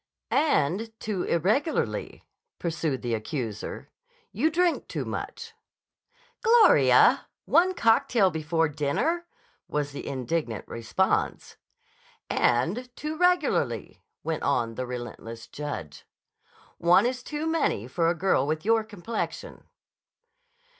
"And too irregularly," pursued the accuser. "You drink too much." "Gloria! One cocktail before dinner," was the indignant response. "And too regularly," went on the relentless judge. "One is one too many for a girl with your complexion."